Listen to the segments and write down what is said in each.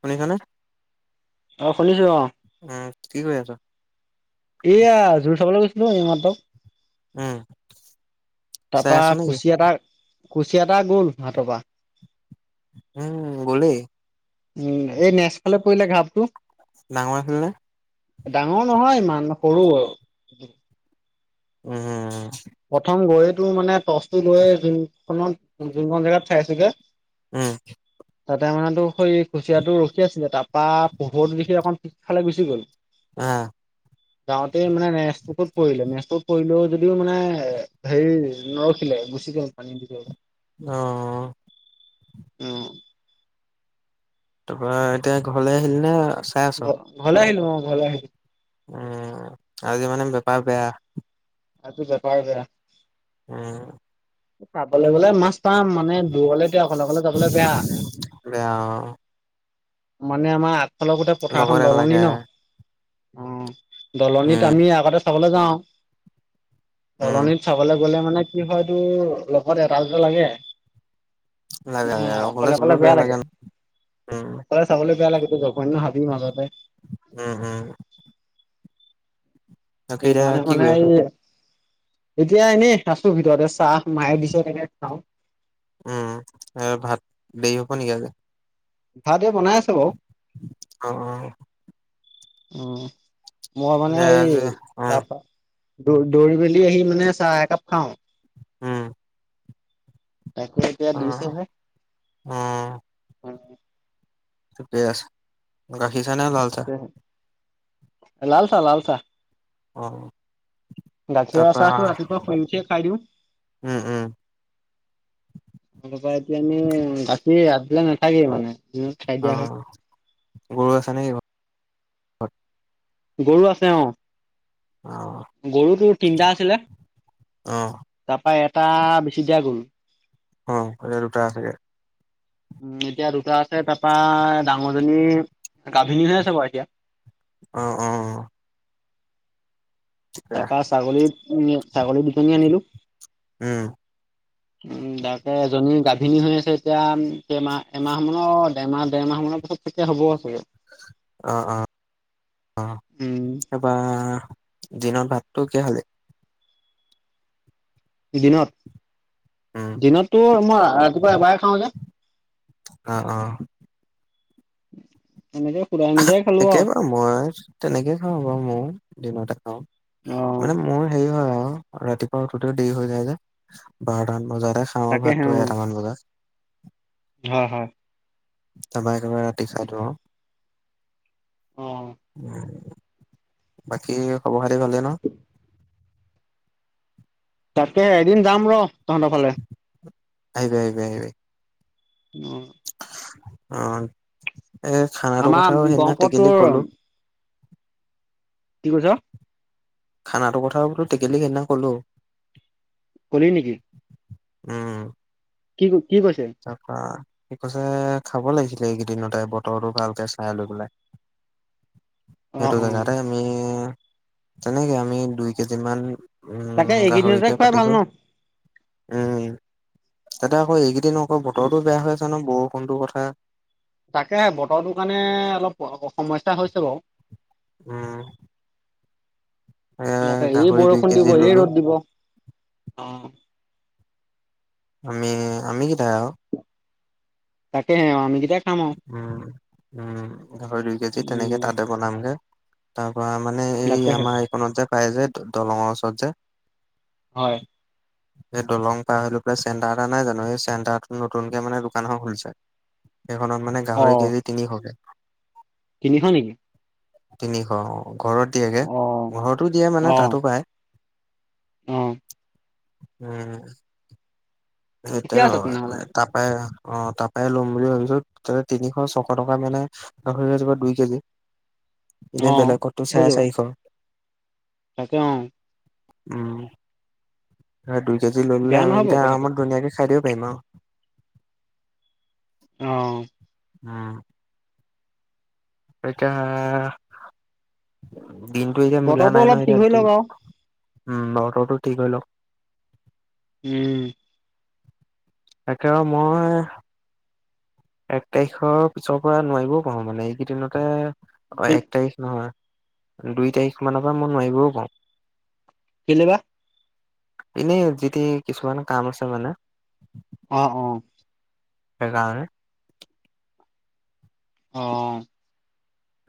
শুনিছানে? অ শুনিছো অ? অ কি কৰি আছ? এইয়া জোৰ চাবলৈ গৈছিলোঁ ই মাএ। উম। তাৰ চাই আছ পৰাা নেকি? কুচি এটা কুচি এটা গ'ল হাতৰ পৰা। উম গলেই। উম এই নেজফালে পৰিলে ঘাপটো। ডাঙৰ আছিলে নে? ডাঙৰ নহয় ইমান সৰু আৰু। উম। প্ৰথম গৈয়ে তো মানে টৰ্চটো লৈ যোনখনত যোনখন জেগাত চাইছগে উম। তাতে মানে তো সেই কুচিয়াতটো ৰখি আছিলে, তাৰপৰা পোহৰটো দেখি অকণমান পিছফালে গুচি গ'ল। আহ। যাওঁতে মানে নেজপুৰত পৰিলে নেজপুৰত পৰিলেও যদিও মানে এ হেৰি নৰখিলে গুচি গল পানী দি গ'ল। অ। উম। তাৰপৰা এতিয়া ঘৰলে আহিলি নে? চাই আছ? ঘৰলে আহিলোঁ অ', ঘৰলে আহিলোঁ। উম, আজি মানে বেপাৰ বেয়া। আজি বেপাৰ বেয়া। উম। চাবলৈ গ'লে মাছ পাম মানে দূৰলে এতিয়া অকলে অকলে যাবলৈ বেয়া, বেয়া অ', মানে আমাৰ অলপ গোটেই পথাৰখন লগৰ দলনি নালাগে। ন। অ', দলনিত উম, আমি আগতে চাবলৈ যাওঁ, উম, দলনিত চাবলে গ'লে মানে কি হয় তোৰ লগত এটাল দুটা লাগে। লাগে লাগে অকলে অকলে চলিবলৈও বেয়া লাগে। ন'। উম, অকলে চাবলে বেয়া লাগে টো জগৈন্ন হাবি মাজতে। অ অ তাকে এতিয়া সেইকাৰণে কি মানে কৰি আছ? এই এতিয়া এনেই আছো ভিতৰতে, চাহ মায়ে দিছে তাকে খাওঁ। অ, ভাত দেৰি হ'ব নেকি আজি ভাত এ বনাই আছে বাৰু। অ', অ', উম, মই মানে এতিয়া এই আজি অ', তাপা দৌ দৌৰি মেলি আহি মানে চাহ একাপ খাওঁ। উম। তাকে এতিয়া দিছে অ', হে। অ', ঠিকে আছে, গাখীৰ চাহ নে লাল চাহ। লাল চাহ, লাল চাহ। অ'। গাখীৰৰ তাৰপৰা চাহটো ৰাতিপুৱা শুই উঠিয়ে খাই দিওঁ। উম উম তপা এতিয়া আমি গাখীৰ ৰাতিলে নাথাকেই মানে। খাই দিয়া হয়। অ', গৰু আছে নেকি ঘৰত? গৰু আছে অ'। অ'। গৰু টোৰ তিনিটা আছিলে অ তাৰ পা এটা বেছি দিয়া গল। অ', এতিয়া দুটা আচেগে। উম এতিয়া দুটা আছে তাপা ডাঙৰজনী গাভিনীহে আছে বাৰু এতিয়া। অ', অ'। ঠিকে তাৰপা ছাগলী, ছাগলী দুজনী আনিলো। উম। উম, তাকে এজনী গাভিনী হৈ আছে এতিয়া কেমাহ এমাহ মানৰ এমাহ ডেৰমাহ মানৰ পাছত ঠিকে হ'ব চাগে। অ', অ', অ'। উম তাৰপা দিনত ভাতটো কিহে খালি? দিনত উম দিনতটো মই ৰাটিপুৱা এবাৰে খাওঁ যে। অ', অ'। এনেকে সুদাই নিকাই খালো আৰু। অ মই তেনেকে খাওঁ বাৰু মও দিনতে খাওঁ অ', মানে মোৰ হেৰি হয় আৰু। ৰাতিপুৱা উঠোতেও দেৰি হৈ যায় যে বাৰটামান বজাতে খাওঁ তাকেহে ভাতটো অ', এটামান বজাত। হয় হয়। তাৰপৰা একেবাৰে ৰাতি খাই দিওঁ আৰু। অ'। উম বাকী খবৰ খাতি ভালে ন তাকে এদিন যাম ৰ তহঁতৰ ফালে। আহিবি আহিবি আহিবি। অ। অ এ খানাটো আমাৰ কথাও সেইদিনা গহপুৰত টেকেলিক তোৰ কলো কি কৈছ? খানাটো কথাও বোলো টেকেলিক সেইদিনা ক'লো। ক'লি নেকি! উম। কি কি কৈছে? তাৰপৰা সি কৈছে খাব লাগিছিলে এইকেইদিনতে বতৰটো ভালকে চাই লৈ পেলাই। সেইটো অ', অ', জাগাতে আমি তেনেকে আমি দুই কেজি মান - তাকে উম এইকেইদিনতে গাহৰিকে খুৱাই ভাল পাতিছো। ন? উম তাতে আকৌ এইকেইদিন আকৌ বতৰতো বেয়া হৈ আছ নহয় বৰষুণটোৰ কথা। হা? তাকে বতৰটো কাৰণে অলপ স স সমস্যা হৈছে বাও। উম। এ এইয়াতে এই গাহৰি দুই বৰষুণ কেজি দিব এই ললো ৰ'দ দিব, অ। আমি আমি কেইটাই আও। তাকেহে অ আমি কেইটাই - উম উম গাহৰি দুই কেজি তেনেকে উম, তাতে বনামগে। তাৰ পৰা মানে এই তাকেহে আমাৰ এইকণত যে পাই যে দলংৰ ওচৰত যে। হয়। এই দলং পাৰহৈ লৈ পেলাই চেণ্টাৰ এটা নাই জানো এই চেণ্টাৰটোত নতুন কে মানে দোকান এখধ খুলিছে। সেই খনত মানে গাহৰি অ'। কেজি তিনিশকে। তিনিশ নেকি? তিনিশ অ ঘৰত দিয়েগে। অ', ঘৰতো দিয়ে মানে অ', তাতো পায়। অ। উম। সেইটোৱে ঠিকে আছে নলগাই তেনেহ'লে মানে। তাপাই অ তাপাই ল'ম বুলি ভাবিছো তেতিয়া তিনিশ ছশ টকা মানে - গাহৰি লাগিব দুই কেজি। এনেই অ'। বেলেগতো হৈ চাৰে যাব চাৰিশ। তাকে অঁ। উম, সেয়া দুই কেজি লৈ ললে বেয়া নহ'ব আমিকেইটাই কথাটো। আৰমত - ধুনীয়াকৈ খাই থাকিব পাৰিম আও। অ। উম। এতিয়া দিনটো এতিয়া মিলা বতৰটো নাই অলপ নহয় ঠিক এতিয়া হৈ লওক দিন - আৰু, উম বতৰটো ঠিক হৈ লওক। উম। তাকে আও মই - এক তাৰিখৰ পিছৰ পৰা নোৱাৰিবও পাৰো মানে এইকেইদিনতে অ এক তাৰিখ নহয়। - দুই তাৰিখ মানৰ পৰা মই নোৱাৰিবও পাওঁ। কেলে বা? এনেই যিতি কিছুমান কাম আছে মানে। অ অ। সেইকাৰণে। অ অ।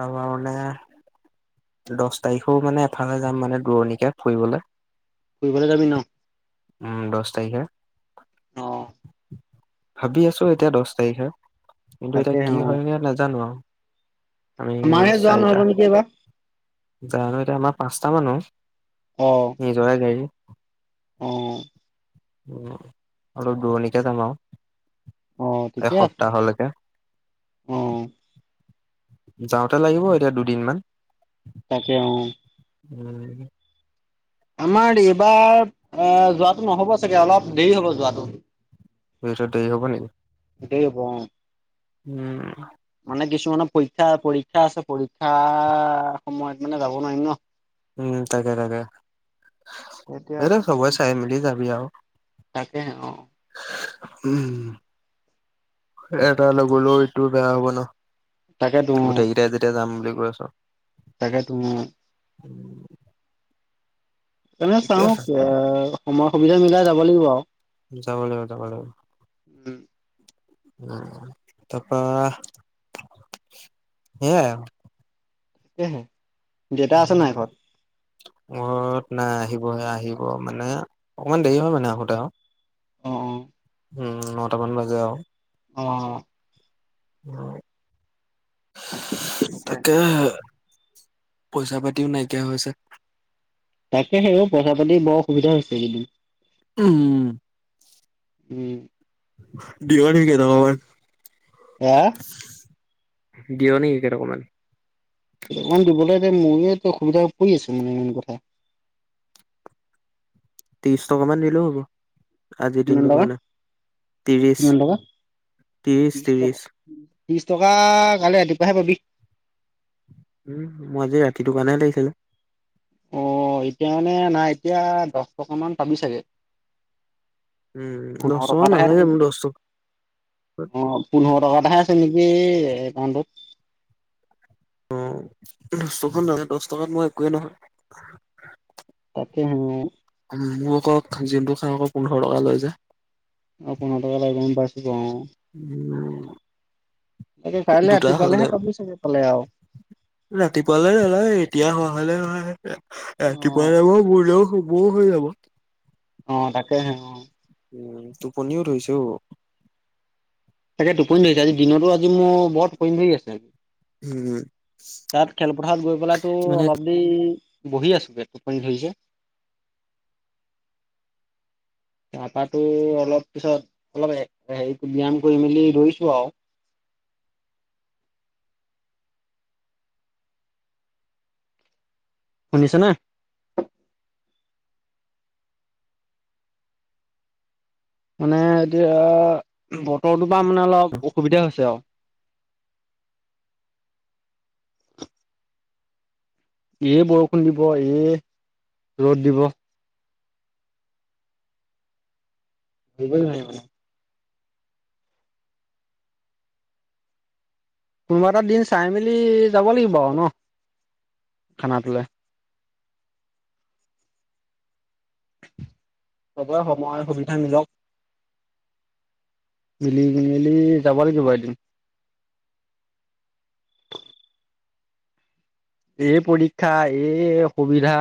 তাৰপা মানে - দহ তাৰিখও মানে এফালে যাম মানে দূৰণিকে ফুৰিবলে। ফুৰিবলে যাবি ন? উম', দহ তাৰিখে। অ। ভাবি আছোঁ এতিয়া দহ তাৰিখে, কিন্তু এতিয়া তাকে কি অ', হয় গে নেজানো আও। আমাৰহে যোৱা নহ'ব নেকি, এইবাৰ। জানোঁ এতিয়া আমাৰ পাঁচটা মানুহ। অ'। নিজৰে গাড়ী। অ'। উম, অলপ দূৰণিকে যাম আৰু। অ', ঠিকে আছে, এসপ্তাহলৈকে অ'। যাওঁতে লাগিব এতিয়া দুদিন মান। তাকে অ'। উম। আমাৰ এইবাৰ অ', যোৱাটো নহ'ব চাগে, অলপ দেৰি হ'ব যোৱাটো। তহঁতৰ দেৰি হ'ব নেকি? দেৰি হ'ব, অ'। উম। মানে কিছুমানৰ পৰীক্ষা, পৰীক্ষা আছে, পৰীক্ষা সময়ত মানে যাব নোৱাৰিম ন'। উম, তাকে-তাকে, এইটো এতিয়াতো সবৰে চাই মেলি যাবি আৰু। তাকেহে অ'। উম, এটা নগলেও ইটোৰ বেয়া হ'ব ন'। তাকেতো গোটেইকেইটাই যেতিয়া যাম বুলি কৈ আছ। তাকেটো, উম। উম। এনে ঠিকে চাওঁ, আছে এ, সময় সুবিধা মিলাই যাব লাগিব আৰু। যাব লাগিব, যাব লাগিব। উম। উম, তাৰপৰা, সেইয়াই আৰু। এহে। উম। ঘৰত নাই, আহিবহে, আহিব, মানে অকমান দেৰি হয় মানে আহোতে আৰু। অ', অ'। উম, নটামান বাজে আৰু। অ'। উম, তাকেহে। পইচা পাতিও নাইকিয়া হৈছে। তাকেহে অ', পইচা-পাতি বৰ অসুবিধা হৈছে এই কেইদিন। উম। উম'। দিঅ নেকি কেই টকা মান। আহ? দিঅ নেকি কেই টকা মান? কেই টকামান দিবলৈ এতিয়া মোৰে এতিয়া অসুবিধা পৰি আছে, মানে ইমান কথা। ত্ৰিশ টকা মান দিলেও হ'ব। আজিৰ কিমান দিনটোৰ টকা? কাৰণে, কিমান টকা? ত্ৰিশ টকা, ত্ৰিশ-ত্ৰিশ-ত্ৰিশ। ত্ৰিশ টকা, কাইলৈ ৰাতিপুৱাহে পাবি। উম, মই আজি ৰাতিটোৰ কাৰণহে লাগিছিলে। অ', এতিয়া মানে নাই, এতিয়া দহ টকামান পাবি চাগে। উম, দহ পোন্ধৰ টকা এটাহে আছে নালাগে নেকি? মোক দহ টক অ', পোন্ধৰ টকা এটাহে আছে নেকি এই একাউণ্টত। উম, দহ টকাত দহ টকাত মোৰ একোৱেই নহয়। তাকেহেনে। মোক আকৌ যোনটো খাওঁ আকৌ পোন্ধৰ টকা লয় যে। অ', পোন্ধৰ টকা লয় গম পাইছোঁটো অ'। উম। তাকে কাইলৈ ৰাতিপুৱালেহে পাবি চাগে পালে আৰু। ৰাতিপুৱালৈ নালাগে এতিয়া হোৱা হ'লে হয় ৰাতিপুৱা অ', [inaudible] অ', তাকে হে অ'। উম, টোপনিও ধৰিছে অও। তাকে টোপনি ধৰিছে আজি দিনতো আজি মোৰ বৰ টোপনি ধৰি আছে। উম, তাত খেলপথাৰত গৈ পেলাই তোৰ মানে অলপ ই বহি আছোগে টোপনি ধৰিছে। তাৰপা তোৰ অলপ পিছত অলপ হেৰি ব্যায়াম কৰি মেলি দৌৰিছো আৰু। শুনিছনে? মানে এতিয়া বতৰটোৰ পৰা মানে অলপ অসুবিধা হৈছে আও। এই বৰষুণ দিব এই ৰ'দ দিব। ধৰিবই নোৱাৰি মানে। কোনোবা এটা দিন চাই মেলি যাব লাগিব আৰু ন খানাটোলৈ। চবৰে সময় সুবিধা মিলক। মিলি মেলি যাব লাগিব এদিন। এই পৰীক্ষা এই অসুবিধা।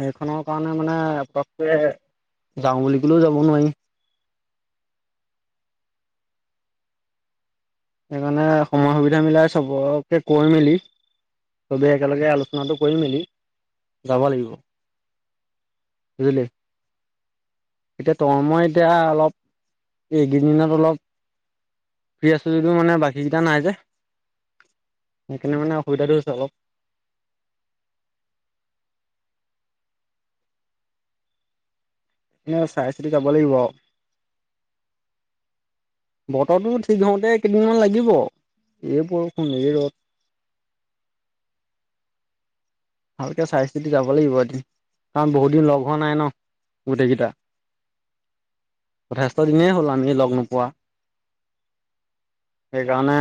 সেইখনৰ কাৰণে মানে পটককৈ যাওঁ বুলি ক'লেও যাব নোৱাৰি। সেইকাৰণে সময় সুবিধা মিলাই চবকে কৈ মেলি চবেই একেলগে আলোচনাটো কৰি মেলি যাব লাগিব। [inaudible] এতিয়া তই মই এতিয়া অলপ এইকেইদিনত অলপ ফ্ৰী আছো যদিও মানে বাকীকেইটা নাই যে। সেইকাৰণে মানে অসুবিধাটো হৈছে অলপ। এনে চাই চিতি যাব লাগিব আও। বতৰটো ঠিক হওঁতে কেইদিনমান লাগিব এই বৰষুণ এই ৰ'দ। ভালকে চাই চিতি যাব লাগিব এদিন, কাৰণ বহুত দিন লগ হোৱা নাই ন। গোটেইকেইটা। যথেষ্ট দিনেই হ'ল আমি লগ নোপোৱা। সেইকাৰণে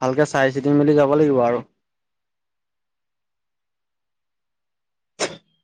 ভালকে চাই চিতি মেলি যাব লাগিব আৰু। [inaudible]